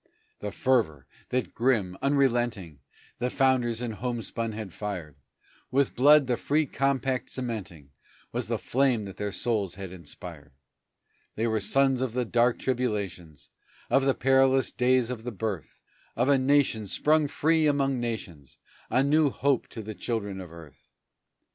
The fervor that grim, unrelenting, The founders in homespun had fired, With blood the free compact cementing, Was the flame that their souls had inspired. They were sons of the dark tribulations, Of the perilous days of the birth Of a nation sprung free among nations, A new hope to the children of earth!